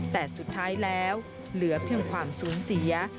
แต่สุดท้ายแล้วเหลือเพียงความสูญเสีย